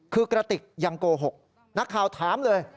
คือกระติกยังโกหกนักข่าวถามเลย